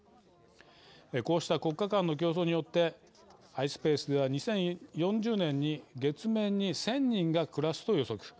こうした国家間の競争によってアイスペースでは２０４０年に月面に１０００人が暮らすと予測。